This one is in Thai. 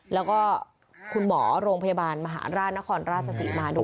แล้วก็คุณหมอโรงพยาบาลมหาราชนครราชศรีมาด้วย